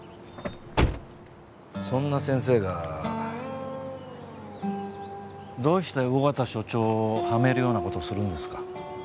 そんな先生がどうして緒方署長をはめるようなことをするんですか？